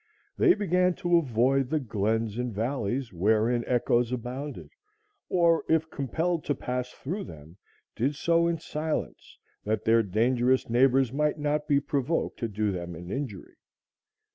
They began to avoid the glens and valleys wherein echoes abounded, or, if compelled to pass through them, did so in silence that their dangerous neighbors might not be provoked to do them an injury.